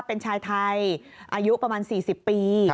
เป็นชายไทยอายุประมาณ๔๐ปี